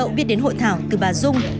ưu dậu biết đến hội thảo từ bà dung